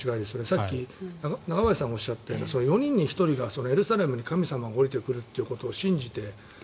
さっき中林さんがおっしゃった４人に１人がエルサレムに神様が下りてくると信じて。